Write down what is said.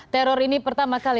teror ini pertama kali